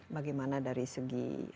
bagaimana dari segi